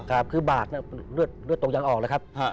ครับคือบาดเลือดตกยังออกเลยครับ